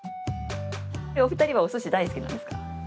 お二人はおすし大好きなんですか？